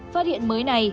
phát hiện mới này